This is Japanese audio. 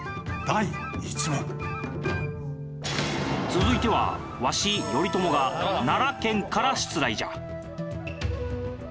続いてはわし頼朝が奈良県から出題じゃ。